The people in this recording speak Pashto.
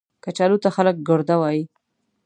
کچالو ته خلک ګرده وايي